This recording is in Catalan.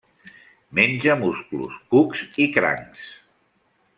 Menja musclos, cucs i crancs.